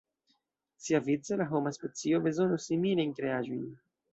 Siavice, la homa specio bezonus similajn kreaĵojn.